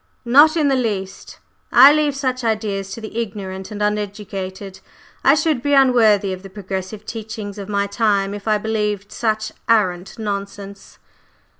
"Not in the least! I leave such ideas to the ignorant and uneducated. I should be unworthy of the progressive teachings of my time if I believed such arrant nonsense."